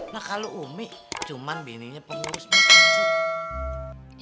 nah kalau umi cuman bininya pengurus makanan sih